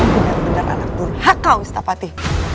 benar benar anak buruk hak kau istapati